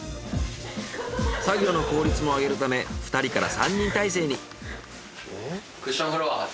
作業の効率も上げるため２人から３人体制に。